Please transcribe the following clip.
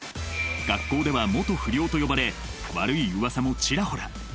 学校では「元不良」と呼ばれ悪いうわさもちらほら。